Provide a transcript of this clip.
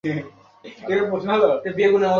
উক্ত সনদে এ হাদীসটি খুবই অপরিচিত।